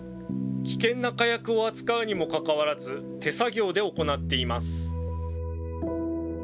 危険な火薬を扱うにもかかわらず、手作業で行っています。